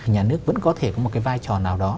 nhà nước vẫn có thể có một cái vai trò nào đó